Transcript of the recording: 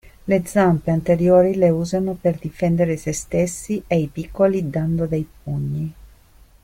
Le zampe anteriori le usano per difendere sé stessi e i piccoli dando dei pugni.